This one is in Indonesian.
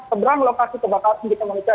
seberang lokasi kebakaran di tengah malaysia